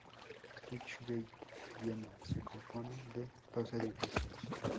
Tech Gate Vienna se compone de dos edificios.